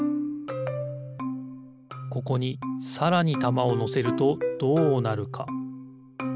ここにさらにたまをのせるとどうなるか？